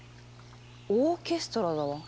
オーケストラだわ。